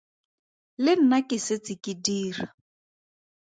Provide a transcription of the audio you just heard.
Le nna ke setse ke dira.